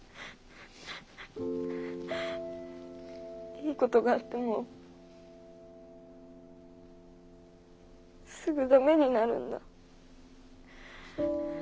いいことがあってもすぐダメになるんだ。